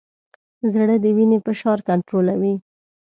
زړه د وینې فشار کنټرولوي.